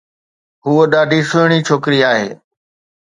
ھوءَ ڏاڍي سهڻي ڇوڪري آھي.